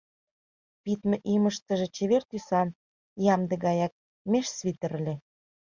Пидме имыштыже чевер тӱсан, ямде гаяк меж свитер ыле.